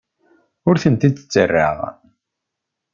Ur ten-id-ttarraɣ.